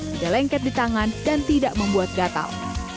tidak lengket di tangan dan tidak membuat gatal